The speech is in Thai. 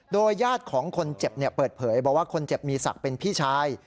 โดยญาติของคนเจ็บเปิดเผยบอกว่าคนเจ็บมีศักดิ์เป็นพี่ชาย